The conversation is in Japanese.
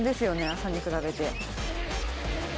朝に比べて。